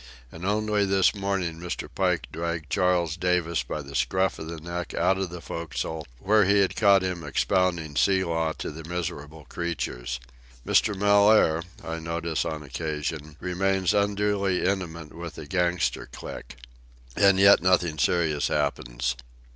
And only this morning Mr. Pike dragged Charles Davis by the scruff of the neck out of the forecastle, where he had caught him expounding sea law to the miserable creatures. Mr. Mellaire, I notice on occasion, remains unduly intimate with the gangster clique. And yet nothing serious happens.